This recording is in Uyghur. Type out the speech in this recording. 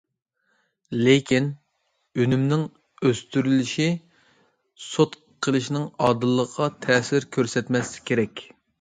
لېكىن ئۈنۈمنىڭ ئۆستۈرۈلۈشى سوت قىلىشنىڭ ئادىللىقىغا تەسىر كۆرسەتمەسلىكى كېرەك.